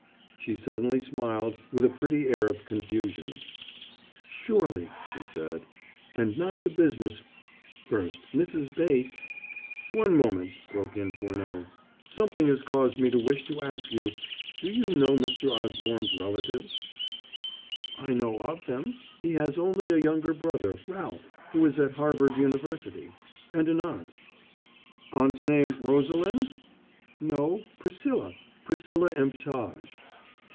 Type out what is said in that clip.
She suddenly smiled, with a pretty air of confusion. "Surely," she said. "And now to business: first, Mrs. Bates " "One moment," broke in Furneaux. "Something has caused me to wish to ask you do you know Mr. Osborne's relatives?" "I know of them. He has only a younger brother, Ralph, who is at Harvard University and an aunt." "Aunt's name Rosalind?" "No Priscilla Priscilla Emptage."